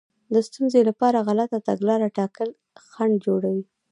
د ستونزې لپاره غلطه تګلاره ټاکل خنډ جوړوي.